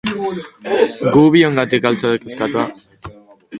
Gu biongatik al zaude kezkatuta?